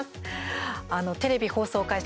あの、テレビ放送開始